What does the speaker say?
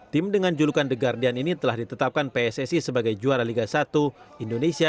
tim dengan julukan the guardian ini telah ditetapkan pssi sebagai juara liga satu indonesia